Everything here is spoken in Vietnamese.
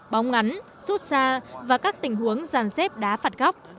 bóng ngắn xút xa và các tình huống dàn xếp đá phạt góc